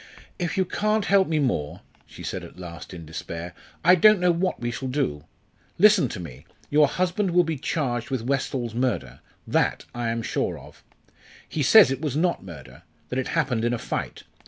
"If you can't help me more," she said at last in despair, "I don't know what we shall do. Listen to me. Your husband will be charged with Westall's murder. That I am sure of. He says it was not murder that it happened in a fight.